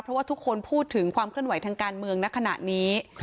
เพราะว่าทุกคนพูดถึงความเคลื่อนไหวทางการเมืองณขณะนี้